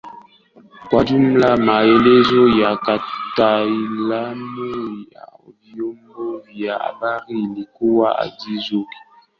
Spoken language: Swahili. Kwa jumla maelezo ya kitaalamu ya vyombo vya habari ilikuwa hadi juzi